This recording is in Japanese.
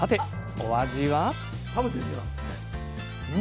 お味は？